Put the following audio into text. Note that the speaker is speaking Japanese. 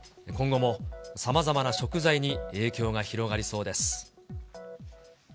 今後もさまざまな食材に影響が広がりそうです。